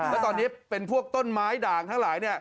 แล้วตอนนี้เป็นพวกต้นไม้ด่างทั้งหลาย